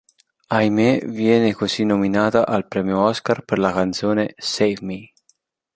Aimee viene così nominata al Premio Oscar per la canzone "Save Me".